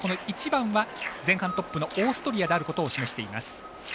１番は前半トップのオーストリアであることを示しています。